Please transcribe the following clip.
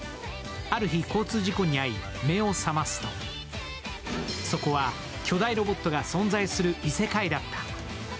ある日、交通事故に遭い、目を覚ますとそこは巨大ロボットが存在する異世界だった。